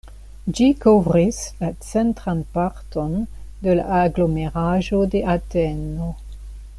Ĝi kovris la centran parton de la aglomeraĵo de Ateno.